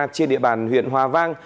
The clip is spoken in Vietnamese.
trên địa bàn huyện hòa vang